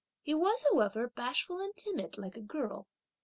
He was however bashful and timid, like a girl.